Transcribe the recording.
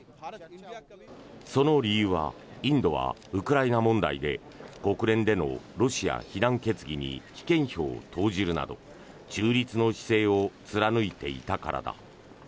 その理由はインドはウクライナ問題で国連でのロシア非難決議に棄権票を投じるなど中立の姿勢を貫いていたからだ。